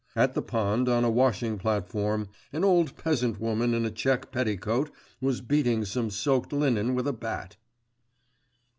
At the pond, on a washing platform, an old peasant woman in a check petticoat was beating some soaked linen with a bat.